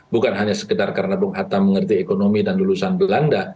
bukan hanya sekedar karena bung hatta mengerti ekonomi dan lulusan belanda